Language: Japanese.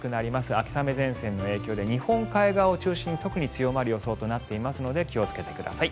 秋雨前線の影響で日本海側を中心に特に強まる予想となっていますので気を付けてください。